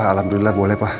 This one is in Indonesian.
ya pak alhamdulillah boleh pak